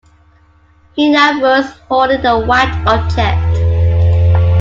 He now rose, holding a white object.